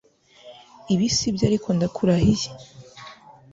Ibi sibyo ariko ndakurahiye